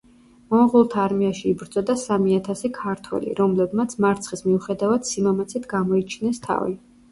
მონღოლთა არმიაში იბრძოდა სამი ათასი ქართველი, რომლებმაც, მარცხის მიუხედევად, სიმამაცით გამოიჩინეს თავი.